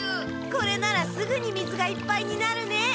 これならすぐに水がいっぱいになるね。